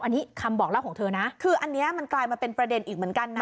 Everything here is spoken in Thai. อันนี้คำบอกเล่าของเธอนะคืออันนี้มันกลายมาเป็นประเด็นอีกเหมือนกันนะ